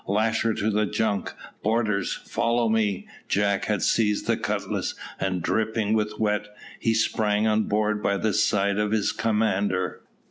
"Lash her to the junk. Boarders, follow me." Jack had seized a cutlass, and, dripping with wet, he sprang on board by the side of his commander.